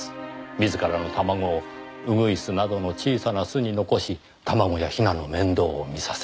自らの卵をウグイスなどの小さな巣に残し卵や雛の面倒を見させる。